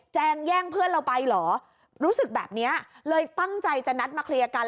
แย่งเพื่อนเราไปเหรอรู้สึกแบบเนี้ยเลยตั้งใจจะนัดมาเคลียร์กัน